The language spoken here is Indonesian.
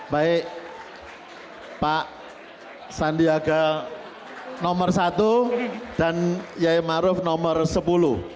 baik pak sandiaga nomor satu dan kiai maruf nomor sepuluh